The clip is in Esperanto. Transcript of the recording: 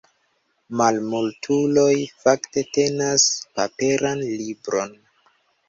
Malmultuloj fakte tenas paperan libron.